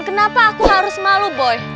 kenapa aku harus malu boy